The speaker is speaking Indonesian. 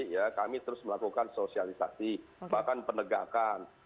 ya kami terus melakukan sosialisasi bahkan penegakan